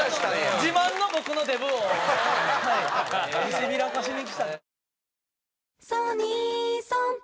自慢の僕のデブをはい見せびらかしに来た。